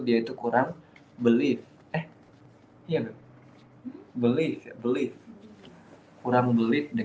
dia itu kurang believe